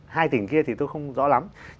hai tỉnh kia thì tôi không rõ lắm